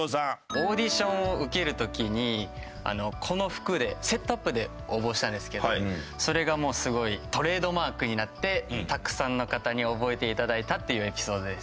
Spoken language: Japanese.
オーディションを受ける時にこの服でセットアップで応募したんですけどそれがもうすごいトレードマークになってたくさんの方に覚えていただいたっていうエピソードです。